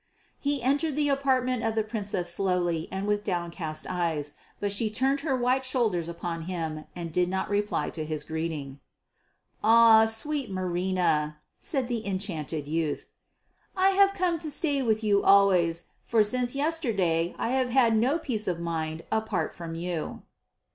He entered the apartment of the Princess slowly and with downcast eyes; but she turned her white shoulders upon him and did not reply to his greeting. "Ah, sweet Marina," said the enchanted youth, "I have come to stay with you always, for since yesterday I have had no peace of mind apart from you."